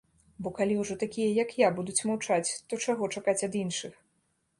Бо калі ўжо такія, як я, будуць маўчаць, то чаго чакаць ад іншых?